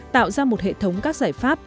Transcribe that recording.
tạo ra một hệ thống các giải pháp